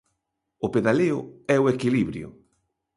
O pedaleo e o equilibrio.